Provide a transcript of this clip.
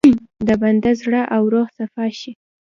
د بنده زړه او روح صفا شي.